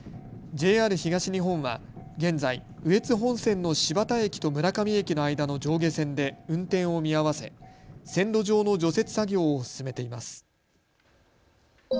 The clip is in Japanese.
ＪＲ東日本は現在、羽越本線の新発田駅と村上駅の間の上下線で運転を見合わせ線路上の除雪作業を進めています。